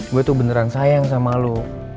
gue tuh beneran sayang sama lo